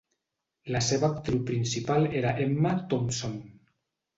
La seva actriu principal era Emma Thompson.